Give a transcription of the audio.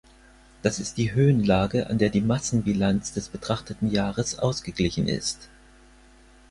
Das ist die Höhenlage, an der die Massenbilanz des betrachteten Jahres ausgeglichen ist.